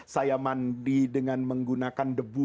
saya mandi dengan menggunakan debu